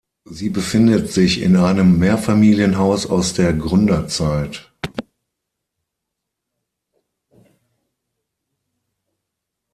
Sie befindet sich in einem Mehrfamilienhaus aus der Gründerzeit.